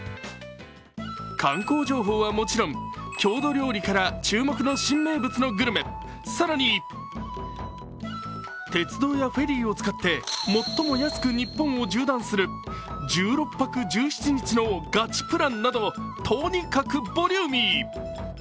観光情報はもちろん、郷土料理から注目の新名物のグルメ更に鉄道やフェリーを使って、最も安く日本を縦断する１６泊１７日のガチプランなどとにかくボリューミー。